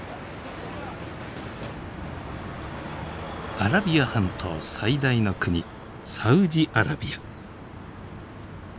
アラビア半島最大の国サウジアラビア。